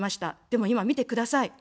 でも今、見てください。